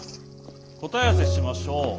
答え合わせしましょう。